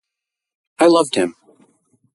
I loved him.